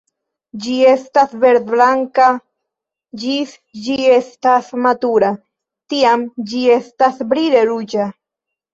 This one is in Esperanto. Ĝi estas verd-blanka ĝis ĝi estas matura, tiam ĝi estas brile ruĝa.